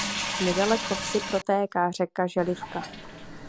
Nedaleko vsi protéká řeka Želivka.